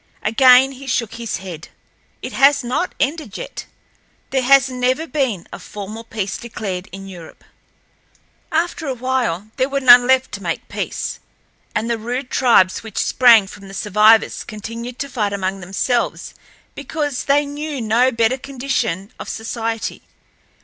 Again he shook his head. "It has not ended yet. There has never been a formal peace declared in Europe. After a while there were none left to make peace, and the rude tribes which sprang from the survivors continued to fight among themselves because they knew no better condition of society.